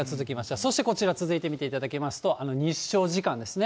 そしてこちら続いて見ていただきますと日照時間ですね。